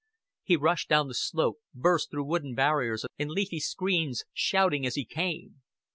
He rushed down the slope, burst through wooden barriers and leafy screens, shouting as he came.